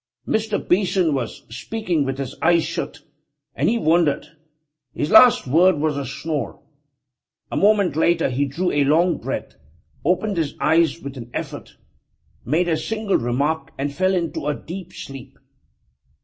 6 > Mr. Beeson was speaking with his eyes shut, and he wandered. His last word was a snore. A moment later he drew a long breath, opened his eyes with an effort, made a single remark, and fell into a deep sleep.